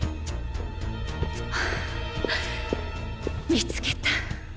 見つけた！